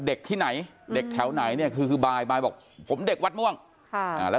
เด็กที่ไหนเด็กแถวไหนเนี่ยคือคือบายบอกผมเด็กวัดม่วงค่ะอ่าแล้ว